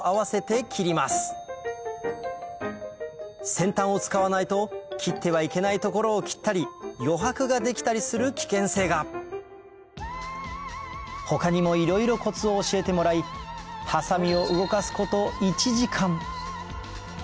先端を使わないと切ってはいけない所を切ったり余白ができたりする危険性が他にもいろいろコツを教えてもらい最後。